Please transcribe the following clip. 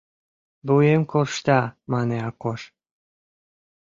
— Вуем коршта, — мане Акош.